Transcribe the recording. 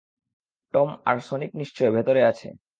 Tom আর Sonic নিশ্চয় ভিতরে আছে।